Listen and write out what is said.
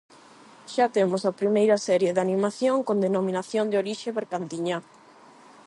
Xa temos a primeira serie de animación con denominación de orixe bergantiñá.